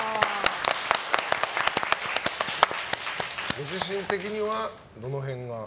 ご自身的には、どの辺が？